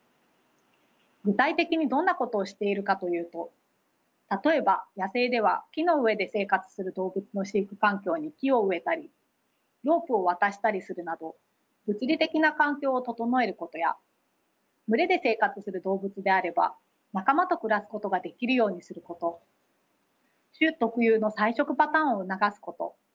具体的にどんなことをしているかというとたとえば野生では木の上で生活する動物の飼育環境に木を植えたりロープを渡したりするなど物理的な環境を整えることや群れで生活する動物であれば仲間と暮らすことができるようにすること種特有の採食パターンを促すこと